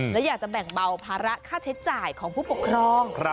และอยากจะแบ่งเบาภาระค่าใช้จ่ายของผู้ปกครอง